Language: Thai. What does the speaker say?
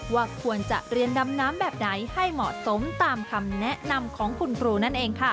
ว่าควรจะเรียนดำน้ำแบบไหนให้เหมาะสมตามคำแนะนำของคุณครูนั่นเองค่ะ